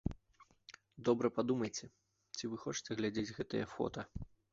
Добра падумайце, ці вы хочаце глядзець гэтыя фота.